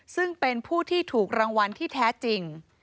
ซึ่งเป็นผู้ที่ถูกรางวัลที่แท้จริง